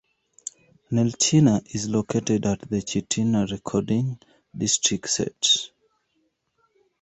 Nelchina is located at the Chitina Recording Districet.